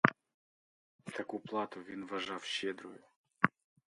Таку плату він уважав щедрою.